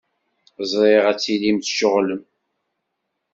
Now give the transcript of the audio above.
Ẓriɣ ad tilim tceɣlem.